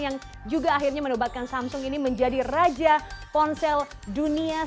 yang juga akhirnya menobatkan samsung ini menjadi raja ponsel dunia